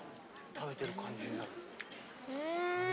食べてる感じになる・うん！